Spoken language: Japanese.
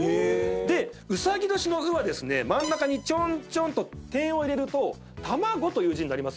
で卯年の卯はですね真ん中にちょんちょんと点を入れると卵という字になりますよね。